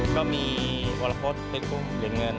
ก็มีมรพพดเพชรกุ้งเหลือเงิน